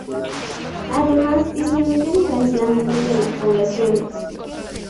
Además, disminuyen el aislamiento de las poblaciones.